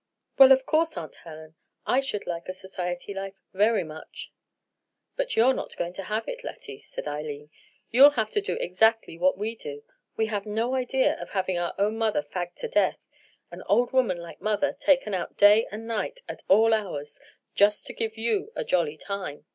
"Well, of course, Aunt Helen, I should like a society life very much." "But you're just not going to have it, Lettie," said Eileen. "You'll have to do exactly what we do. We have no idea of having our own mother fagged to death; an old woman like mother taken out day and night at all hours, just to give you a jolly time."